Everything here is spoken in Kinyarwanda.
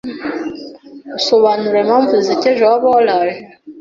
usobanura impamvu zisekeje waba waraije